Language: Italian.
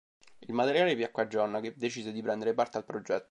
Il materiale piacque a Jon, che decise di prendere parte al progetto.